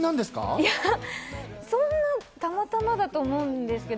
いや、そんな、たまたまだと思うんですけど。